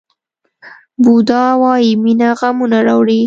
بودا وایي مینه غمونه راوړي.